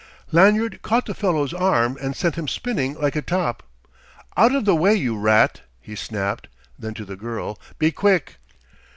Lanyard caught the fellow's arm and sent him spinning like a top. "Out of the way, you rat!" he snapped; then to the girl: "Be quick!"